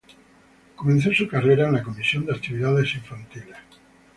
Comenzó su carrera en la Comisión de Actividades Infantiles.